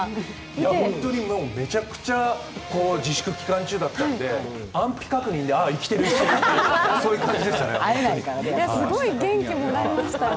本当にめちゃくちゃ、自粛期間中だったんで安否確認で、ああ生きてるって、そんな感じでしたね。